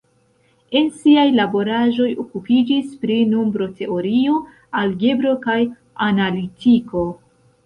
En siaj laboraĵoj okupiĝis pri nombroteorio, algebro kaj analitiko.